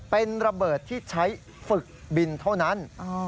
เป็นระเบิดที่ใช้ฝึกบินเท่านั้น